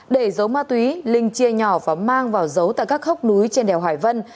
để dấu ma túy linh chia nhỏ và mang vào dấu tại các hốc núi trên đèo hải vân